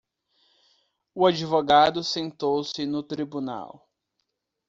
O advogado sentou-se no tribunal.